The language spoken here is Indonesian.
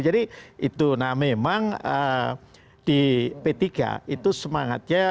jadi itu nah memang di p tiga itu semangatnya